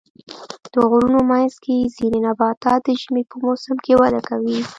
د غرونو منځ کې ځینې نباتات د ژمي په موسم کې وده کوي.